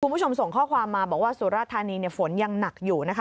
คุณผู้ชมส่งข้อความมาบอกว่าสุราธานีฝนยังหนักอยู่นะคะ